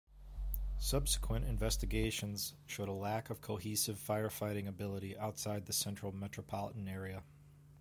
Subsequent investigations showed a lack of cohesive firefighting ability outside the central metropolitan area.